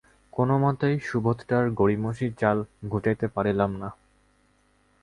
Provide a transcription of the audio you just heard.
কোনোমতেই সুবোধটার গড়িমসি চাল ঘুচাইতে পারিলাম না।